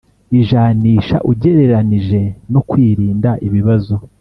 Ijanisha ugereranije no kwirinda ibibazo